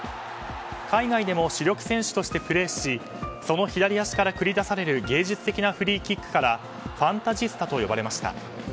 海外でも主力選手としてプレーしその左足から繰り出される芸術的なフリーキックからファンタジスタと呼ばれました。